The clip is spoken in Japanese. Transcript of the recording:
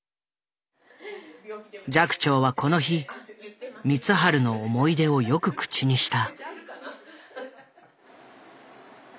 寂聴はこの日光晴の思い出をよく口にした。